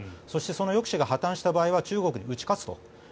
そして、その抑止が破たんした場合は中国に打ち勝つと。